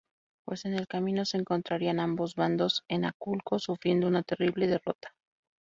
Pues en el camino, se encontrarían ambos bandos en Aculco, sufriendo una terrible derrota.